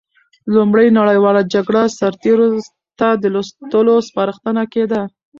لومړۍ نړیواله جګړه سرتېرو ته د لوستلو سپارښتنه کېده.